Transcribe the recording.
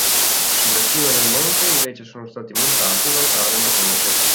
Sulla cima del monte invece sono stati montati un altare e una croce.